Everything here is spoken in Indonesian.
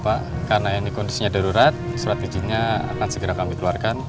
pak karena ini kondisinya darurat surat izinnya akan segera kami keluarkan